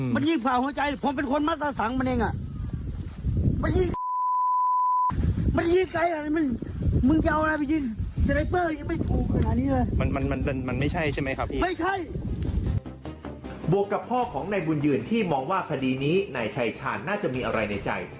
กับพ่อของนายบุญยืนที่มองว่าคดีนี้นายชายชาญน่าจะมีอะไรในใจ